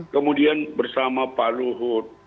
kemudian bersama pak luhut